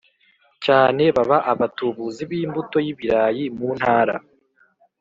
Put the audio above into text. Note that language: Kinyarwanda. cyane baba abatubuzi b’imbuto y’ibirayi mu Ntara